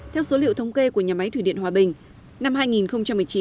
theo số liệu thống kê của nhà máy thủy điện hòa bình năm hai nghìn một mươi chín